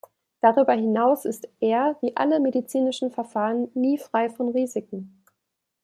Darüber hinaus ist er, wie alle medizinischen Verfahren, nie frei von Risiken.